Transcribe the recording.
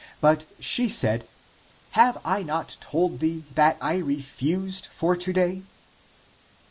But she said, " Have I not told thee, that I refused for to day?